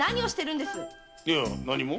いや何も。